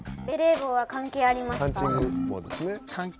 ベレー帽は関係ありますか？